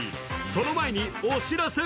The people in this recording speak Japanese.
その前に、お知らせ。